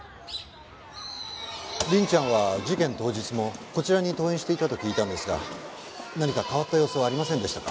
凛ちゃんは事件当日もこちらに登園していたと聞いたんですが何か変わった様子はありませんでしたか？